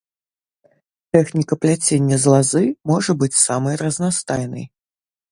Тэхніка пляцення з лазы можа быць самай разнастайнай.